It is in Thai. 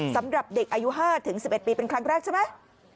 สำหรับเด็กอายุ๕๑๑ปีเป็นครั้งแรกใช่ไหม